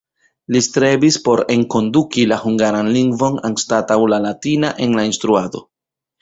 Li strebis por enkonduki la hungaran lingvon anstataŭ la latina en la instruado.